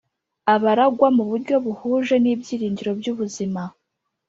abaragwa mu buryo buhuje n ibyiringiro by ubuzima